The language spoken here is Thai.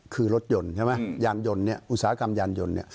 คือรถยนต์ใช่มั้ยยาลยนต์นี่อุตสาหกรรมยายนยนต์